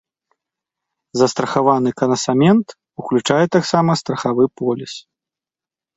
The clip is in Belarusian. Застрахаваны канасамент уключае таксама страхавы поліс.